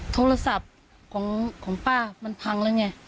โทรศัพท์ของป้ามันพังแล้วไง